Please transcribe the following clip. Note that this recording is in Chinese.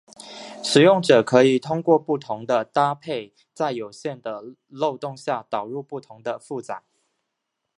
使用者可以通过不同的搭配在有限的漏洞下导入不同的负载。